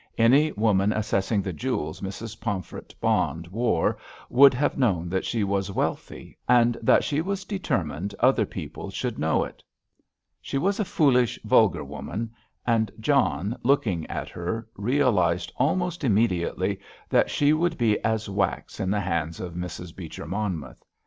Any woman assessing the jewels Mrs. Pomfret Bond wore would have known that she was wealthy, and that she was determined other people should know it. She was a foolish, vulgar woman, and John, looking at her, realised almost immediately that she would be as wax in the hands of Mrs. Beecher Monmouth.